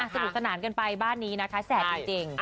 สนุกสนานกันไปบ้านนี้นะคะแสบจริง